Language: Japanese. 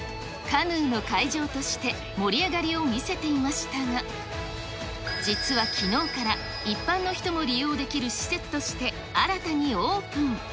カヌーの会場として盛り上がりを見せていましたが、実はきのうから、一般の人も利用できる施設として新たにオープン。